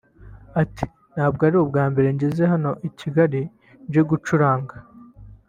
Ati “Ntabwo ari ubwa mbere ngeze hano i Kigali nje gucuranga